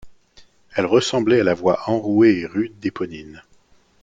Elle ressemblait à la voix enrouée et rude d’Éponine.